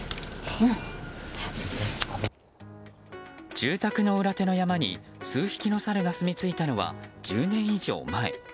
住宅の裏手の山に数匹のサルがすみついたのは１０年以上前。